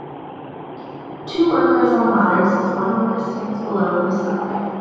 Two workers on ladders as one worker stands below in the subway